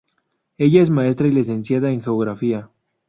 Ella es maestra y licenciada en Geografía.